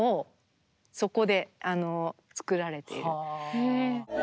へえ。